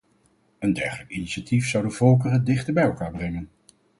Een dergelijk initiatief zou de volkeren dichter bij elkaar brengen.